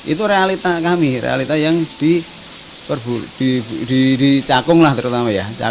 itu realita kami realita yang dicakung lah terutama ya